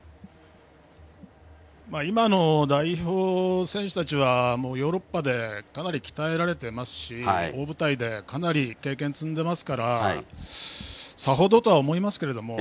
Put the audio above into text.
今の代表選手たちはもうヨーロッパでかなり鍛えられていますし大舞台でかなり経験を積んでいますからさほどとは思いますけれども。